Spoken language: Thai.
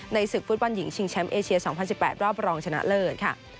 ศึกฟุตบอลหญิงชิงแชมป์เอเชีย๒๐๑๘รอบรองชนะเลิศค่ะ